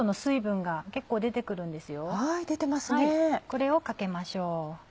これをかけましょう。